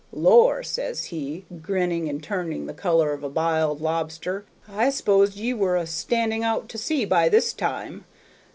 'Lor,' says he, grinning and turning the color of a biled lobster, 'I s'posed ye were a standing out to sea by this time.'